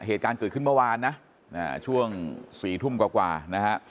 เหตุการณ์เกิดขึ้นเมื่อวานนะช่วง๔ทุ่มกว่านะฮะ